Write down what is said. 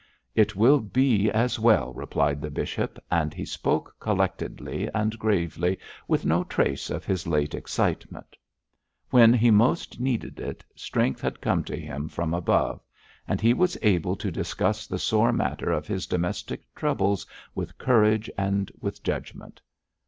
'It will be as well,' replied the bishop, and he spoke collectedly and gravely, with no trace of his late excitement. When he most needed it, strength had come to him from above; and he was able to discuss the sore matter of his domestic troubles with courage and with judgment.